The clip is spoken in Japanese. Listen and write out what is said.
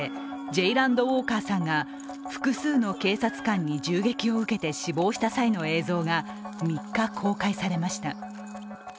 ジェイランド・ウォーカーさんが複数の警察官に銃撃を受けて死亡した際の映像が３日、公開されました。